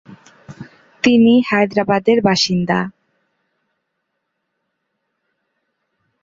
তিনি হায়দ্রাবাদের বাসিন্দা।